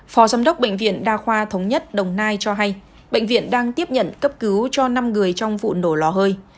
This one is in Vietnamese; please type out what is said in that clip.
phó giám đốc bệnh viện đa khoa thống nhất đồng nai cho hay bệnh viện đang tiếp nhận cấp cứu cho năm người trong vụ nổ lò hơi